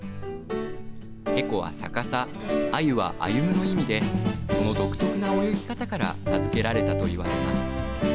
ヘコは逆さ、アユは歩む意味でその独特な泳ぎ方から名付けられたと言われます。